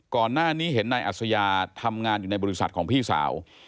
ก่อนหน้านี้เห็นนายอัศยาทำงานอยู่ในบริษัทของพี่สาว